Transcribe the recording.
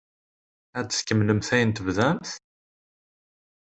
Ad tkemmlemt ayen tebdamt?